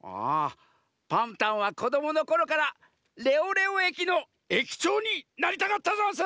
パンタンはこどものころからレオレオ駅の駅長になりたかったざんす！